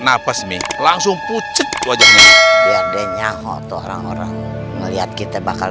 nafas nih langsung pucet wajahnya lihat deh nyahor tuh orang orang ngeliat kita bakal